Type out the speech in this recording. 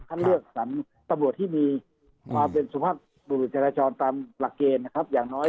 ท่านเลือกสรรตำรวจที่มีความเป็นสุภาพบุรุษจราจรตามหลักเกณฑ์นะครับอย่างน้อย